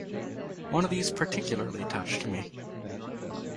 One of these particularly touched me.